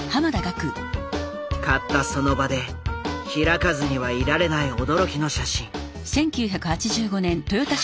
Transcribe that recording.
買ったその場で開かずにはいられない驚きの写真。